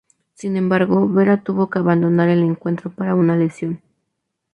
Sin embargo, Vera tuvo que abandonar el encuentro por una lesión.